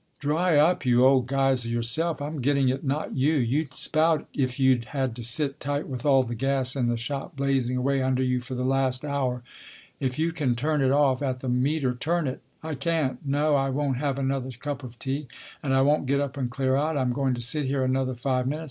" Dry up, you old Geyser, yourself. I'm getting it, not you. You'd spout if you'd had to sit tight with all the gas in the shop blazing away under you for the last hour. If you can turn it off at the meter, turn it. I can't. No, I won't have another cup of tea. And I won't get up and clear out, I'm going to sit here another five minutes.